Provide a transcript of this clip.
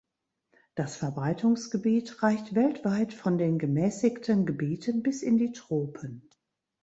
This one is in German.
Das Verbreitungsgebiet reicht weltweit von den gemäßigten Gebieten bis in die Tropen.